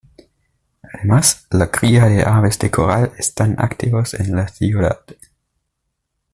Además, la cría de aves de corral están activos en la ciudad.